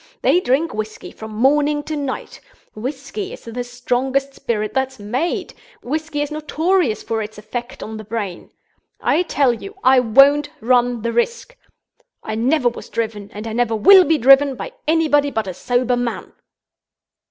They drink whisky from morning to night. Whisky is the strongest spirit that's made; whisky is notorious for its effect on the brain. I tell you, I won't run the risk. I never was driven, and I never will be driven, by anybody but a sober man."